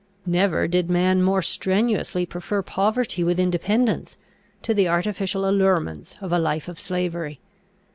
Never did man more strenuously prefer poverty with independence, to the artificial allurements of a life of slavery.